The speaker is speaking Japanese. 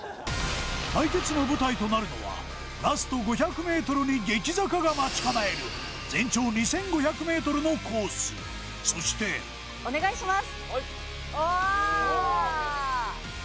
対決の舞台となるのはラスト５００ｍに激坂が待ち構える全長２５００ｍのコースそしてお願いします